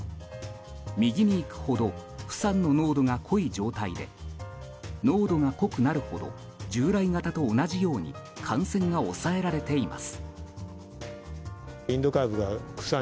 右にいくほどフサンの濃度が濃い状態で濃度が濃くなるほど従来型と同じように感染が抑えられています。